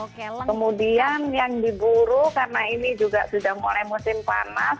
kemudian yang diburu karena ini juga sudah mulai musim panas